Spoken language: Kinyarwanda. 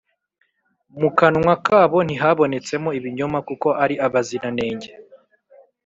Mu kanwa kabo ntihabonetsemo ibinyoma, kuko ari abaziranenge.